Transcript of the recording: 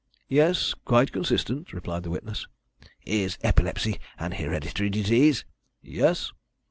"Yes, quite consistent," replied the witness. "Is epilepsy an hereditary disease?" "Yes."